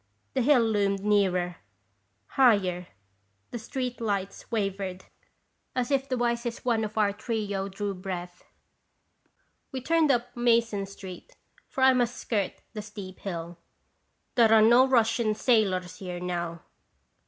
The hill loomed nearer, higher, the street lights wavered, as if the wisest one of our trio 2o8 & Orations tHsitation. drew breath. We turned up Mason street, for I must skirt the steep hill. " There are no strange Russian sailors here now."